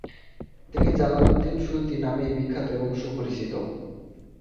তিনি Jalaluddin Suyuti নামেই বিখ্যাত এবং সুপরিচিত ।